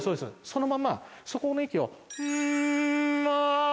そのままそこの息をむま。